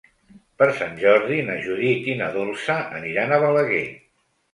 Per Sant Jordi na Judit i na Dolça aniran a Balaguer.